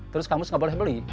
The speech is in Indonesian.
terus kang mus gak boleh beli